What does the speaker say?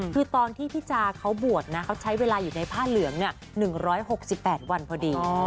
คือตอนที่พี่จาเขาบวชนะเขาใช้เวลาอยู่ในผ้าเหลือง๑๖๘วันพอดี